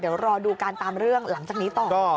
เดี๋ยวรอดูการตามเรื่องหลังจากนี้ต่อ